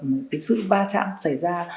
cái sự va chạm xảy ra